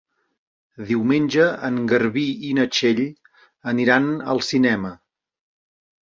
Diumenge en Garbí i na Txell aniran al cinema.